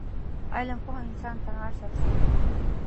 علم پوه انسان تر عرشه رسوی